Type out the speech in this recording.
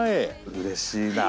うれしいなあ。